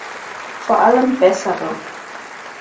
Vor allem bessere.